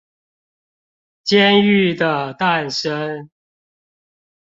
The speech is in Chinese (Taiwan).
監獄的誕生